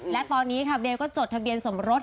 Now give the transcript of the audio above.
และตอนนี้ค่ะเบลก็จดทะเบียนสมรส